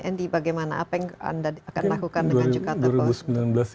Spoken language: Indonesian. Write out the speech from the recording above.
andy bagaimana apa yang anda akan lakukan dengan jakarta post